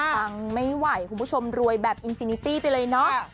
ฟังไม่ไหวคุณผู้ชมรวยแบบอินซีนิตี้ไปเลยเนาะ